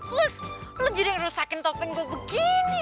klus lo jadi yang rusakin topeng gue begini